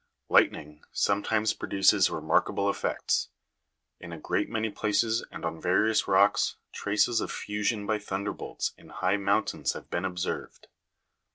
4. Lightning sometimes produces remarkable effects ; in a great many places and on various rocks, traces of fusion by thunderbolts in high mountains have been observed.